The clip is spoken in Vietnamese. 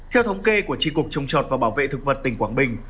theo thống kê của tri cục trồng chọt và bảo vệ thực vật tỉnh quảng bình